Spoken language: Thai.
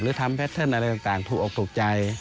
ทำแพทเทิร์นอะไรต่างถูกออกถูกใจ